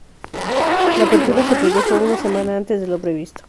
La apertura se produjo una semana antes de lo previsto.